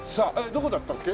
どこだったっけ？